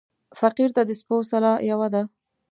فقير ته د سپو سلا يوه ده.